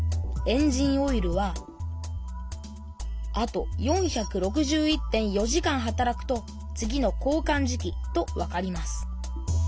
エンジンオイルはあと４６１．４時間働くと次の交かん時期とわかります。